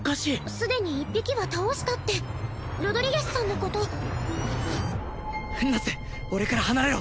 すでに１匹は倒したってロドリゲスさんのことナッセ俺から離れろ！